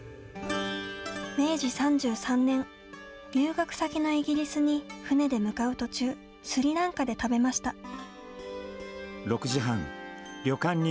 明治３３年、留学先のイギリスに船で向かう途中スリランカで食べました。